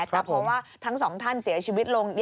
แต่พอว่าทั้งสองท่านเสียชีวิตลง